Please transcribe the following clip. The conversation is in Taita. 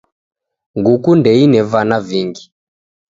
Nguku ndeine vana vingi.